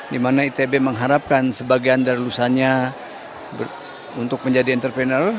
dimana itb mengharapkan sebagian dari lulusannya untuk menjadi entrepreneur